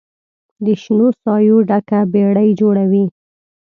د شنو سایو ډکه بیړۍ جوړوي